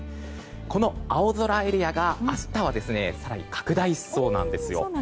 この青空エリアが明日は更に拡大しそうなんですよ。